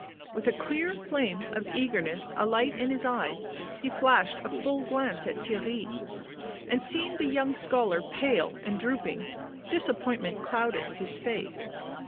With a clear flame of eagerness alight in his eyes he flashed a full glance at Theirry, and, seeing the young scholar pale and drooping, disap pointment clouded his face.